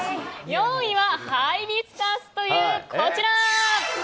４位はハイビスカスというこちら。